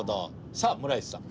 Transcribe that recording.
さあ村井さん。